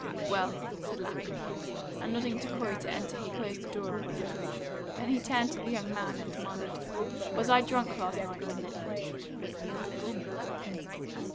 "Well," said Lapham, and, nodding to Corey to enter, he closed the door upon her. Then he turned to the young, man and demanded: "Was I drunk last night?"